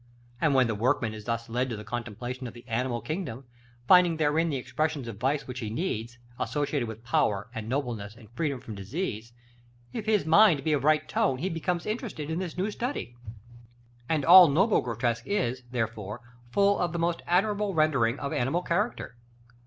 And when the workman is thus led to the contemplation of the animal kingdom, finding therein the expressions of vice which he needs, associated with power, and nobleness, and freedom from disease, if his mind be of right tone he becomes interested in this new study; and all noble grotesque is, therefore, full of the most admirable rendering of animal character.